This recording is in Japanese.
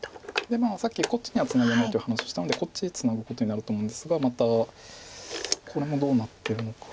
でさっきこっちにはツナげないという話をしたんでこっちツナぐことになると思うんですがまたこれもどうなってるのか。